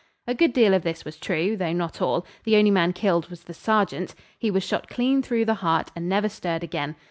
A good deal of this was true, though not all. The only man killed was the sergeant. He was shot clean through the heart, and never stirred again.